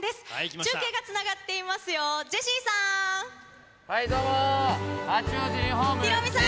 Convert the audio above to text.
中継がつながっていますよ、ジェシーさん。